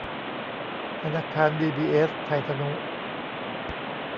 ธนาคารดีบีเอสไทยทนุ